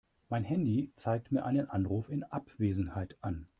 Mein Handy zeigt mir einen Anruf in Abwesenheit an.